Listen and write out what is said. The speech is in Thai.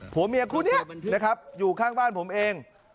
ผัวเมียคู่นี้นะครับอยู่ข้างบ้านผมเอง